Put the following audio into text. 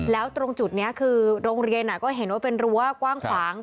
แล้วตรงจุดนี้คือโรงเรียนก็เห็นว่าเป็นรั้วกว้างขวาง